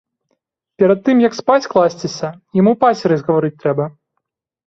Перад тым як спаць класціся, яму пацеры згаварыць трэба.